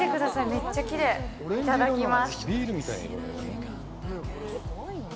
めっちゃきれいいただきます